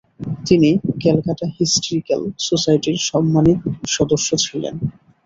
তিনি ক্যালকাটা হিস্টরিক্যাল সোসাইটির সাম্মানিক সদস্য ছিলেন।